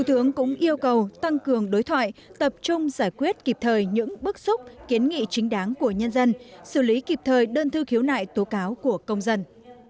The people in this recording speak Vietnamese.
thủ tướng cũng yêu cầu tăng cường đối thoại tập trung giải quyết kịp thời những bức xúc kiến nghị chính đáng của nhân dân xử lý kịp thời đơn thư khiếu nại tố cáo của công dân